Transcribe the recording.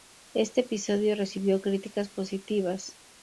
Este episodio recibió críticas positivas.